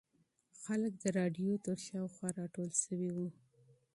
خلک د رادیو تر شاوخوا راټول شوي وو.